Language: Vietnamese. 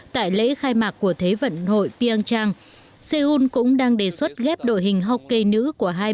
tại lễ khai mạc của thế vận hội pyeongchang seoul cũng đang đề xuất ghép đội hình hockey nữ của hai